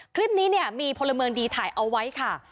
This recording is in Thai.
คลิปนี้เนี่ยมีพลเมืองดีถ่ายเอาไว้ค่ะ